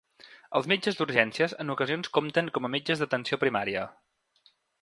Els metges d'urgències en ocasions compten com a metges d'atenció primària.